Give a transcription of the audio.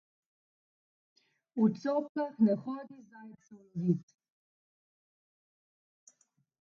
V coklah ne hodi zajcev lovit!